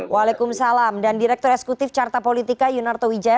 waalaikumsalam dan direktur eksekutif carta politika yunarto wijaya